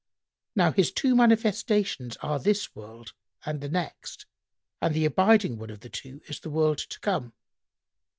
Now his two manifestations are this world and the next, and the abiding one of the two is the world to come."